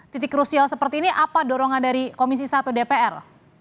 titik krusial seperti ini apa dorongan dari komisi satu dpr